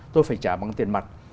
tôi phải trả bằng tiền mặt